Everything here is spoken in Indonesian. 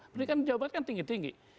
pendidikan di jawa tengah kan tinggi tinggi